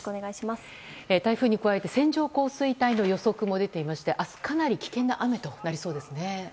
台風に加えて線状降水帯の予測も出ていまして、明日かなり危険な雨となりそうですね。